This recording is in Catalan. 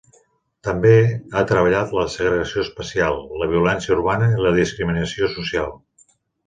També ha treballat la segregació espacial, la violència urbana i la discriminació social.